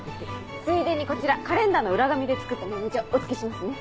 ついでにこちらカレンダーの裏紙で作ったメモ帳お付けしますね。